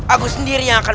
aku sendiri yang akan